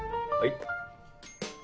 はい。